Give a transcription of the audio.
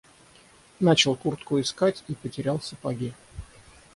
Начал куртку искать и потерял сапоги.